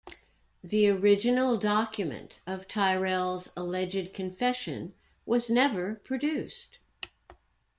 The original document of Tyrrell's alleged confession was never produced.